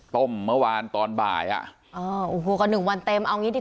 ต้มเมื่อวานตอนบ่ายอะก็๑วันเต็ม